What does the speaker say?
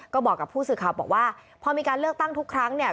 ก็บอกกับผู้สื่อข่าวบอกว่าพอมีการเลือกตั้งทุกครั้งเนี่ย